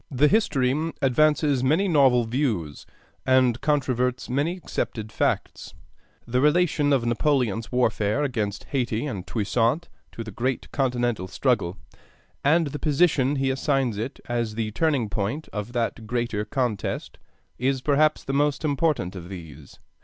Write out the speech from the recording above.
The history advances many novel views, and controverts many accepted facts. The relation of Napoleon's warfare against Hayti and Toussaint to the great Continental struggle, and the position he assigns it as the turning point of that greater contest, is perhaps the most important of these.